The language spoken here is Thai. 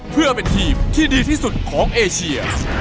เพื่อเป็นทีมที่ดีที่สุดของเอเชีย